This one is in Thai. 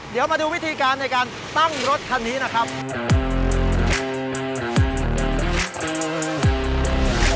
เดี๋ยวมาดูวิธีการในการตั้งรถคันนี้นะครับ